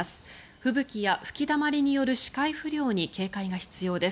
吹雪や吹きだまりによる視界不良に警戒が必要です。